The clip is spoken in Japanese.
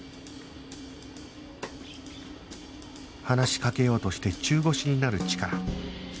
話しかけようとして中腰になるチカラ